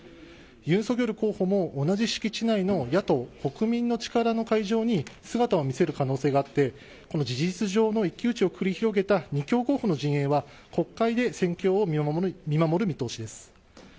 ユン・ソギョル候補も同じ敷地内の野党・国民の力の会場に姿を見せる可能性があってこの事実上の一騎打ちを繰り広げた２強候補の陣営は国会で戦況を見守る見通しです。